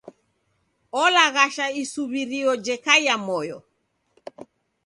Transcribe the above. Olaghasha isuw'irio jekaia moyo.